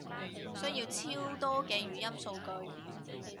需要超多嘅語音數據